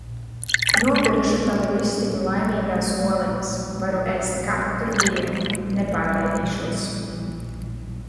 Nopirkšu tavu vistiņu laimīgās oliņas, varu ēst katru dienu, nepārēdīšos!